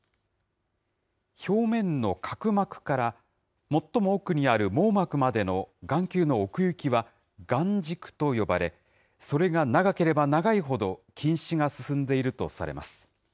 表面の角膜から最も奥にある網膜までの眼球の奥行きは眼軸と呼ばれ、それが長ければ長いほど、近視が進んでいるとされます。